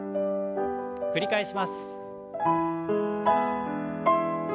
繰り返します。